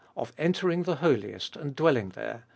Of entering the Holiest and dwelling there (x.